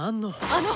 あの！